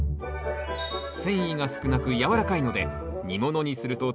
繊維が少なく軟らかいので煮物にするととろける食感。